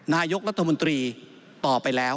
นายกรัฐมนตรีต่อไปแล้ว